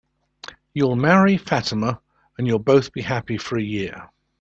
You'll marry Fatima, and you'll both be happy for a year.